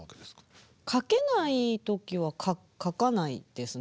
書けない時は書かないです